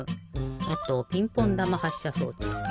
あとピンポンだまはっしゃ装置。